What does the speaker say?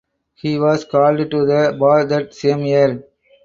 He was called to the bar that same year.